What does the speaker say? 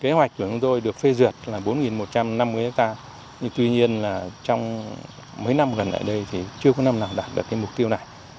kế hoạch của chúng tôi được phê duyệt là bốn một trăm năm mươi hectare nhưng tuy nhiên là trong mấy năm gần đây thì chưa có năm nào đạt được mục tiêu này